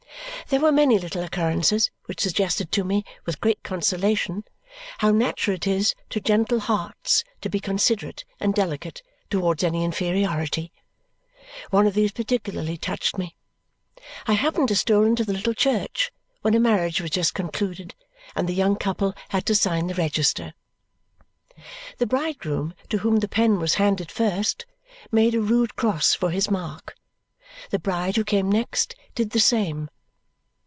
There were many little occurrences which suggested to me, with great consolation, how natural it is to gentle hearts to be considerate and delicate towards any inferiority. One of these particularly touched me. I happened to stroll into the little church when a marriage was just concluded, and the young couple had to sign the register. The bridegroom, to whom the pen was handed first, made a rude cross for his mark; the bride, who came next, did the same.